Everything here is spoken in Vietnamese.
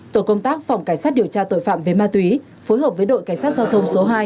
tổ công tác phòng cảnh sát điều tra tội phạm về ma túy phối hợp với đội cảnh sát giao thông số hai